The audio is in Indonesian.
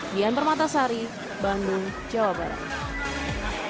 dian permatasari bandung jawa barat